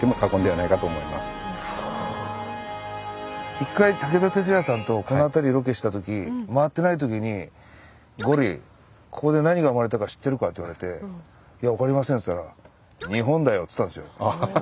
一回武田鉄矢さんとこの辺りロケした時回ってない時に「ゴリここで何が生まれたか知ってるか？」って言われて「いや分かりません」って言ったら「日本だよ！」って言ったんですよ。